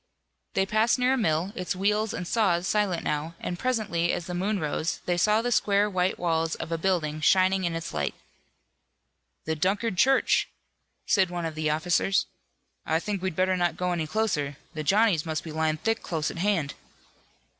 They passed near a mill, its wheels and saws silent now, and presently as the moon rose they saw the square white walls of a building shining in its light. "The Dunkard church," said one of the officers. "I think we'd better not go any closer. The Johnnies must be lying thick close at hand."